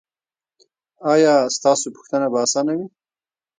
ایا ستاسو پوښتنه به اسانه وي؟